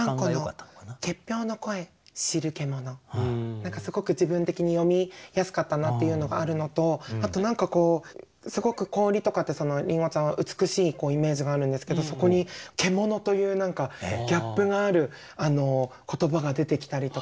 何かすごく自分的に読みやすかったなっていうのがあるのとあと何かこうすごく氷とかってりんごちゃんは美しいイメージがあるんですけどそこに「獣」という何かギャップがある言葉が出てきたりとか。